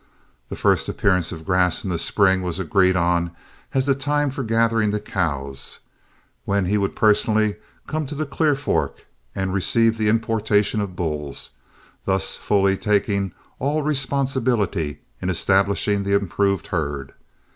The first appearance of grass in the spring was agreed on as the time for gathering the cows, when he would personally come to the Clear Fork and receive the importation of bulls, thus fully taking all responsibility in establishing the improved herd.